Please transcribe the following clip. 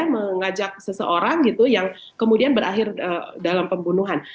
mengajak seseorang gitu yang kemudian berakhir dalam pembunuhan